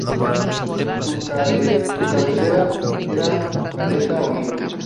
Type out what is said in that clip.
Su cabecera era Caleta Olivia.